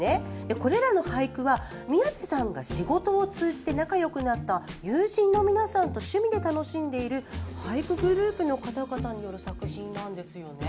これらの俳句は宮部さんが仕事を通じて仲良くなった友人の皆さんと趣味で楽しんでいる俳句グループの方々による作品なんです。